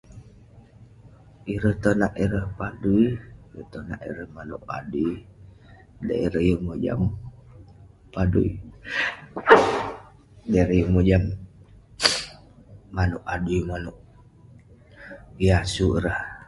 Ireh tonak ireh padui ireh tonak ireh manuek adui dey ireh yeng mojam padui dei ireh yeng mojam manuek adui manuek yah sukat rah